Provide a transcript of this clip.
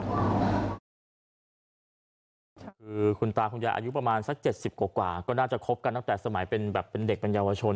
คือคุณตาคุณยายอายุประมาณสัก๗๐กว่าก็น่าจะคบกันตั้งแต่สมัยเป็นแบบเป็นเด็กเป็นเยาวชน